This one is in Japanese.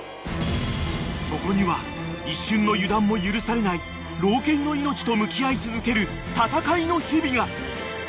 ［そこには一瞬の油断も許されない老犬の命と向き合い続ける闘いの日々が！］